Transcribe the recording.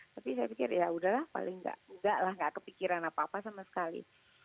tapi saya pikir yaudahlah paling enggak enggak lah enggak kepikiran apa apa sama sekali